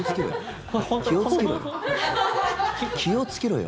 気をつけろよ。